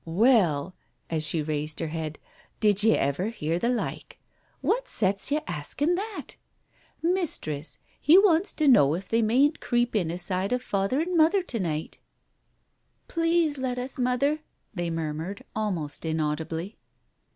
"Well!" — as she raised her head — "did ye ever hear the like? What sets ye asking that? Mistress, he wants to know if they mayn't creep in aside of father and mother to night?" Digitized by Google THE BAROMETER 225 "i 'Please let us, Mother," they murmured, almost inaudibly.